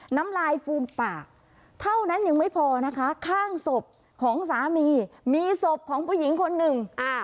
น้ำลายฟูมปากเท่านั้นยังไม่พอนะคะข้างศพของสามีมีศพของผู้หญิงคนหนึ่ง